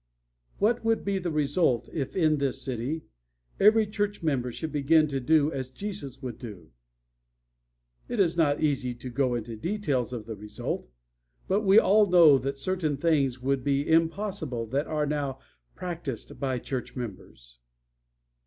"What would be the result if in this city every church member should begin to do as Jesus would do? It is not easy to go into details of the result. But we all know that certain things would be impossible that are now practiced by church members.